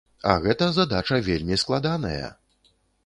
А гэта задача вельмі складаная!